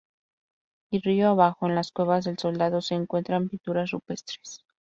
Y río abajo en las cuevas del, soldado se encuentran pinturas rupestres.